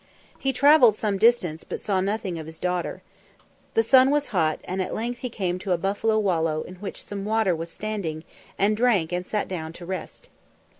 He travelled some distance, but saw nothing of his daughter. The sun was hot, and at length he came to a buffalo wallow in which some water was standing, and drank and sat down to rest.